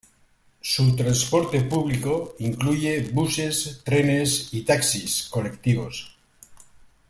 Su transporte público incluye buses, trenes y taxis colectivos.